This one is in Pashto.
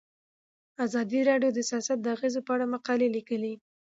ازادي راډیو د سیاست د اغیزو په اړه مقالو لیکلي.